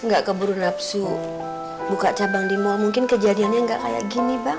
gak keburu lapsu buka cabang di mall mungkin kejadiannya gak kayak gini bang